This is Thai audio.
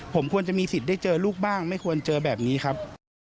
ผมควรจะมีสิทธิ์ได้เจอลูกบ้างไม่ควรเจอแบบนี้ครับ